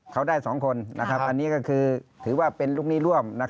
เขาได้๒คนอันนี้ก็คือถือว่าเป็นลูกหนี้ร่วม